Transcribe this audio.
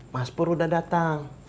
mas pur udah datang